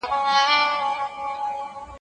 ما چي ول بازار به بالا بند وي